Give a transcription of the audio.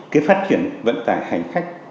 cái phát triển vận tải hành khách